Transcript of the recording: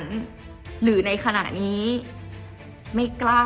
จนดิวไม่แน่ใจว่าความรักที่ดิวได้รักมันคืออะไร